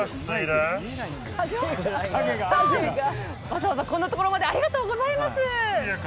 わざわざこんなところまでありがとうございます。